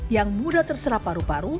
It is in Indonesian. yang mudah terserap paru paru